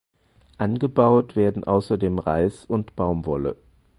Angebaut werden außerdem Reis und Baumwolle.